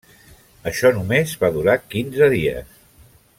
Això només va durar quinze dies.